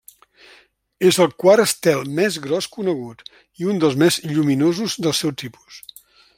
És el quart estel més gros conegut, i un dels més lluminosos del seu tipus.